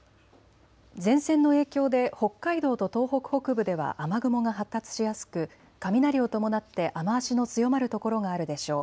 前線の影響で北海道と東北北部では雨雲が発達しやすく雷を伴って雨足の強まる所があるでしょう。